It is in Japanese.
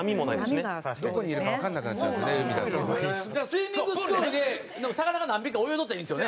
スイミングスクールで魚が何匹か泳いどったらいいんですよね？